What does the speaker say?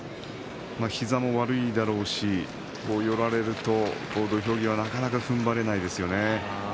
膝も悪いだろうし振られると土俵際なかなかふんばれませんね。